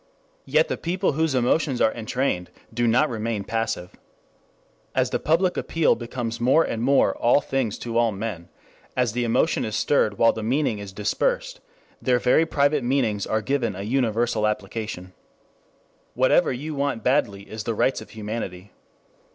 Yet the people whose emotions are entrained do not remain passive. As the public appeal becomes more and more all things to all men, as the emotion is stirred while the meaning is dispersed, their very private meanings are given a universal application. Whatever you want badly is the Rights of Humanity.